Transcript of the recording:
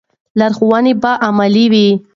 لارښوونې به علمي وي.